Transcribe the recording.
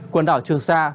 quần đảo trường sa